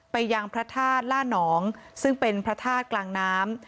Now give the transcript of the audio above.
ไปยังพระธาตุล่านองซึ่งเป็นพระธาตุกลางน้ำ